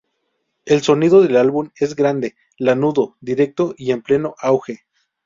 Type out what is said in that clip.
El sonido del álbum es grande, lanudo, directo y en pleno auge".